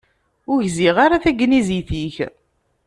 Ur gziɣ ara tagnizit-ik.